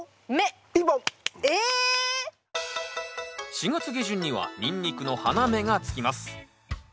４月下旬にはニンニクの花芽がつきます。